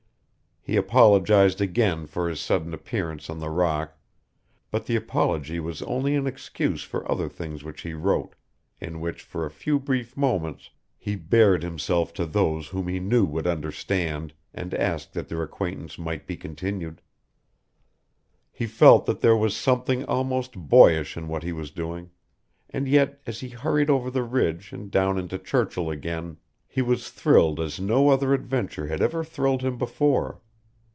He apologized again for his sudden appearance on the rock, but the apology was only an excuse for other things which he wrote, in which for a few brief moments he bared himself to those whom he knew would understand, and asked that their acquaintance might be continued. He felt that there was something almost boyish in what he was doing; and yet, as he hurried over the ridge and down into Churchill again, he was thrilled as no other adventure had ever thrilled him before.